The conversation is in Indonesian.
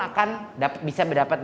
akan bisa mendapatkan